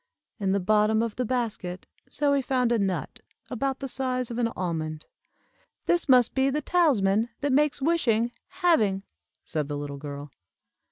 In the bottom of the basket Zoie found a nut, about the size of an almond. "This must be the talisman that makes wishing 'having,'" said the little girl.